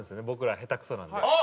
僕ら下手くそなんで。